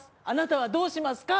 あなたはどうしますか？